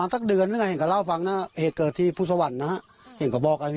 แตกว่าเห็น